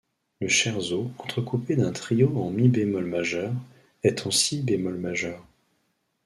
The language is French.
Le scherzo, entrecoupé d'un trio en mi bémol majeur, est en si bémol majeur.